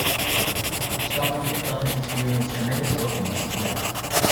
The Stock Market Club has experienced tremendous growth in recent years.